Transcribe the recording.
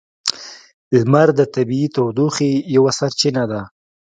لمر د طبیعی تودوخې یوه سرچینه ده.